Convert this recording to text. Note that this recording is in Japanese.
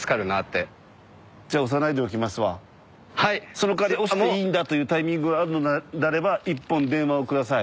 その代わり押していいタイミングがあるのであれば１本電話を下さい。